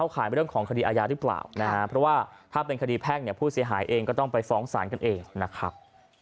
เพราะว่าถ้าเป็นคดีแพทย์ผู้เสียหายเองก็ต้องไปฟ้องศาลกันเองนะครับ